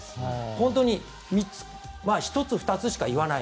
本当に１つ、２つしか言わない。